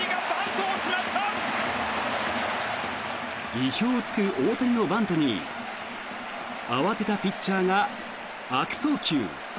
意表を突く大谷のバントに慌てたピッチャーが悪送球。